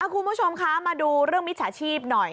คุณผู้ชมคะมาดูเรื่องมิจฉาชีพหน่อย